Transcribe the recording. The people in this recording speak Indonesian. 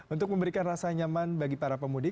untuk memberikan rasa nyaman bagi para pemudik